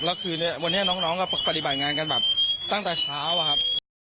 แล้วคือวันนี้น้องก็ปฏิบัติงานกันแบบตั้งแต่เช้าอะครับ